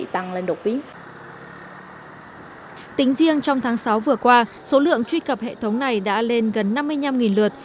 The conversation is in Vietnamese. tính riêng trong tháng sáu vừa qua số lượng truy cập hệ thống này đã lên gần năm mươi năm lượt